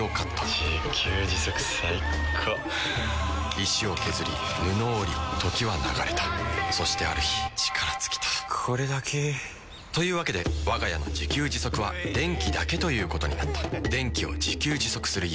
石を削り布を織り時は流れたそしてある日力尽きたこれだけ。というわけでわが家の自給自足は電気だけということになった電気を自給自足する家。